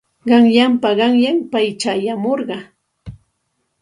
Qanyanpa qanyan pay chayamurqa.